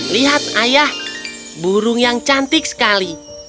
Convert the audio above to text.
lihat ayah burung yang cantik sekali